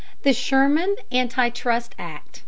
THE SHERMAN ANTI TRUST ACT.